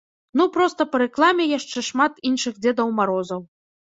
Ну, проста па рэкламе яшчэ шмат іншых дзедаў марозаў.